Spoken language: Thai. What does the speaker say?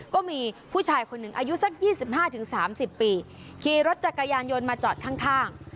ก็มีผู้ชายคนหนึ่งอายุสัก๒๕๓๐ปีขี่รถจักรยานยนต์มาจอดข้าง